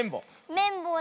めんぼうだ。